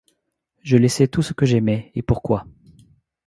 Je laissais tout ce que j'aimais, et pourquoi ?